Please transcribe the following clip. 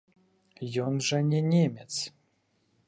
Ён жа не немец!